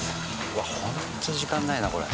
うわっホント時間ないなこれ。